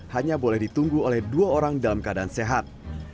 hanya boleh ditunggu oleh dua orang dalam keadaan sehat